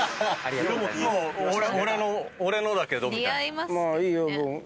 もう俺の俺のだけどみたいな。